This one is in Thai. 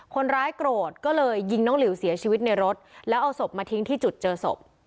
คนร้ายโกรธก็เลยยิงน้องหลิวเสียชีวิตในรถแล้วเอาศพมาทิ้งที่จุดเจอศพ